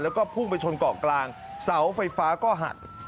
แล้วก็พุ่งไปชนเกาะกลางเสาไฟฟ้าก็หัก